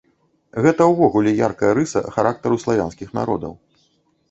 Гэта ўвогуле яркая рыса характару славянскіх народаў.